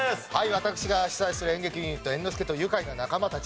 私が主宰する演劇ユニット「猿之助と愉快な仲間たち」